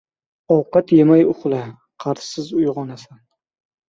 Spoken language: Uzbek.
• Ovqat yemay uxla, qarzsiz uyg‘onasan.